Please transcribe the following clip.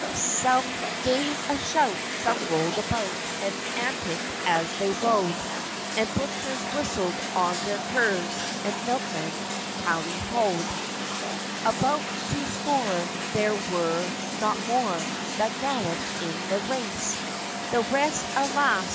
Some gave a shout, some rolled about, And anticked as they rode, And butchers whistled on their curs, And milkmen tally hoed. About two score there were, not more, That galloped in the race; The rest, alas!